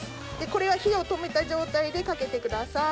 これは火を止めた状態でかけてください。